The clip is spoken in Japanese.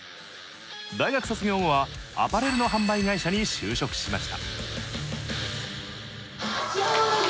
大学卒業後はアパレルの販売会社に就職しました。